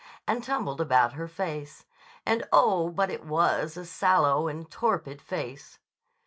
and tumbled about her face (and, oh, but it was a sallow and torpid face!).